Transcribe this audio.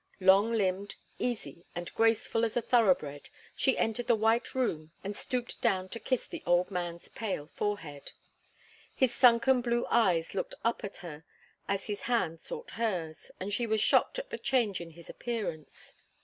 Long limbed, easy and graceful as a thoroughbred, she entered the white room and stooped down to kiss the old man's pale forehead. His sunken blue eyes looked up at her as his hand sought hers, and she was shocked at the change in his appearance.